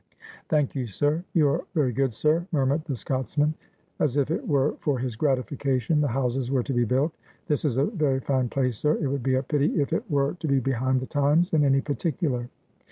'Thank you, sir, you are very good, sir,' murmured the Scotchman, as if it were for his gratification the houses were to be built. ' This is a very fine place, sir ; it would be a pity if it were to be behind the times in any particular.'